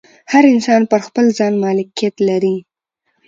هر انسان پر خپل ځان مالکیت لري.